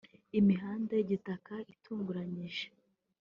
imihanda y’igitaka itunganyije